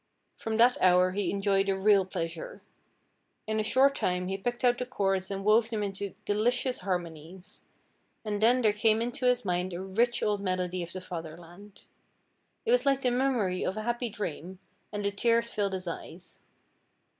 From that hour he enjoyed a real pleasure. In a short time he picked out the chords and wove them into delicious harmonies, and then there came into his mind a rich old melody of the fatherland. It was like the memory of a happy dream, and the tears filled his eyes.